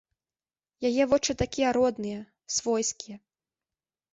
Яе вочы такія родныя, свойскія.